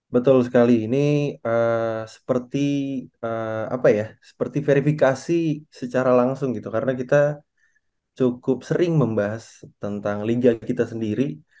betul sekali ini seperti verifikasi secara langsung gitu karena kita cukup sering membahas tentang lingkaran kita sendiri